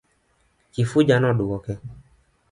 Kifuja noduoke.